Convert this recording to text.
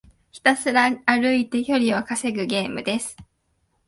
ひたすら歩いて距離を稼ぐゲームです。